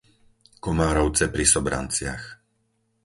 Komárovce pri Sobranciach